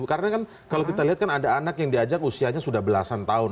karena kan kalau kita lihat kan ada anak yang diajak usianya sudah belasan tahun